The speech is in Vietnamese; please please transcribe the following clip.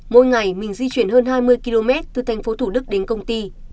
mỗi ngày mình di chuyển hơn hai mươi km từ thành phố thủ đức đến công ty